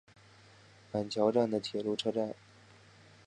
板桥站的铁路车站。